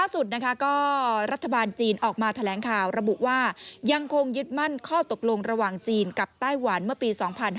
สุดนะคะก็รัฐบาลจีนออกมาแถลงข่าวระบุว่ายังคงยึดมั่นข้อตกลงระหว่างจีนกับไต้หวันเมื่อปี๒๕๕๙